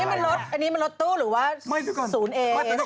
อันนี้มันรถตู้หรือว่าศูนย์เอ